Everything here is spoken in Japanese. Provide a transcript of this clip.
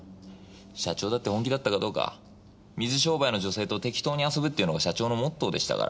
社長だって本気だったかどうか水商売の女性と適当に遊ぶっていうのが社長のモットーでしたから。